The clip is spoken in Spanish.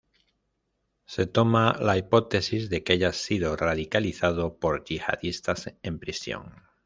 Se toma la hipótesis de que haya sido radicalizado por yihadistas en prisión.